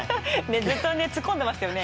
ずっと突っ込んでましたよね